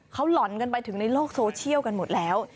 เขาหล่อนกันไปถึงในโลกโซเชียลกันหมดแล้ว